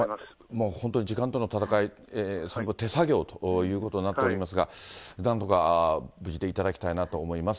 もう時間との戦い、それも手作業ということになっておりますが、なんとか、無事でいただきたいなと思います。